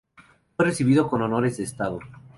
Fue recibido con Honores de Estado.